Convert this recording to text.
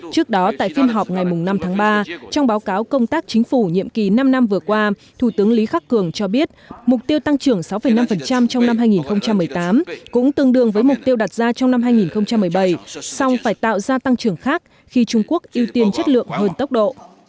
trước đó tại phiên họp ngày năm tháng ba trong báo cáo công tác chính phủ nhiệm kỳ năm năm vừa qua thủ tướng lý khắc cường cho biết mục tiêu tăng trưởng sáu năm trong năm hai nghìn một mươi tám cũng tương đương với mục tiêu đặt ra trong năm hai nghìn một mươi bảy song phải tạo ra tăng trưởng khác khi trung quốc ưu tiên chất lượng hơn tốc độ